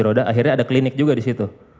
roda akhirnya ada klinik juga di situ